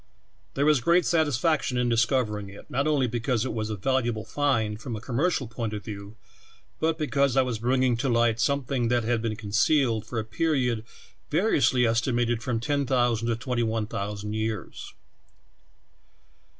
There was a gi*eat satisfac tion in discovering it, not only because it was a 40 THE TALKING HANDKERCHIEF. valuable 'find' from a commercial point of view, but because I was bringing to light something that had been concealed fora period variously" esti mated from ten thousand to twent3' one thousand years.